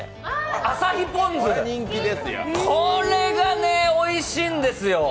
旭ポンズ、これがね、おいしいんですよ。